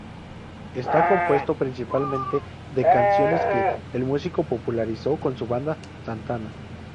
Está compuesto principalmente de canciones que el músico popularizó con su banda, Santana.